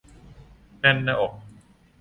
แน่นหน้าอก